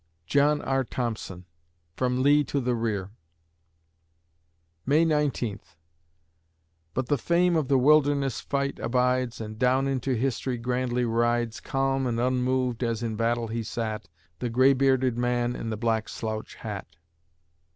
JOHN R. THOMPSON (From "Lee to the Rear") May Nineteenth But the fame of the Wilderness fight abides, And down into history grandly rides Calm and unmoved as in battle he sat, The gray bearded man in the black slouch hat.